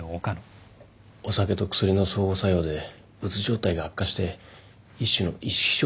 お酒と薬の相互作用でうつ状態が悪化して一種の意識